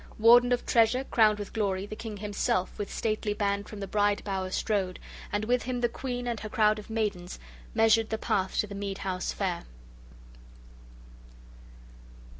Warden of treasure, crowned with glory, the king himself, with stately band from the bride bower strode; and with him the queen and her crowd of maidens measured the path to the mead house fair.